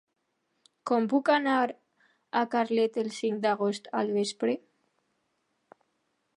Com puc anar a Carlet el cinc d'agost al vespre?